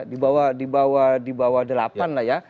di bawah di bawah di bawah delapan lah ya